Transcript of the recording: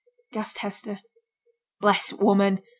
gasped Hester. 'Bless t' woman!